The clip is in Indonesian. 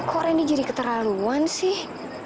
kok ini jadi keterlaluan sih